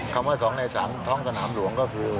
คำว่า๒ใน๓ท้องสนามหลวงก็คือ